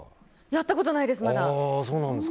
やったことないです、まだ。